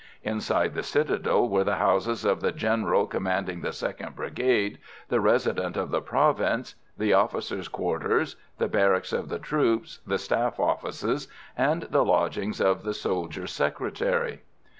Inside the citadel were the houses of the General Commanding the 2nd Brigade, the Resident of the province, the officers' quarters, the barracks of the troops, the Staff offices, and the lodgings of the soldier secretary.